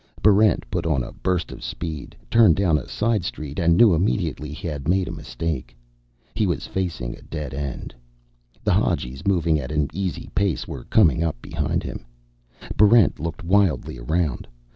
Barrent put on a burst of speed, turned down a side street, and knew immediately he had made a mistake. He was facing a dead end. The Hadjis, moving at an easy pace, were coming up behind him. Barrent looked wildly around.